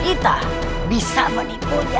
kita bisa menipunya